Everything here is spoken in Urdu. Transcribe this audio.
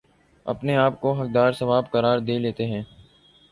اپنے آپ کو حقدار ثواب قرار دے لیتےہیں